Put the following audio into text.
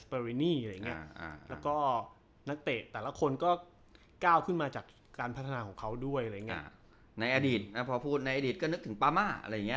พอพูดในอดีตก็นึกถึงปามา